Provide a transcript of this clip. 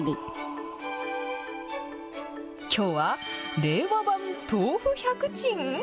きょうは令和版豆腐百珍？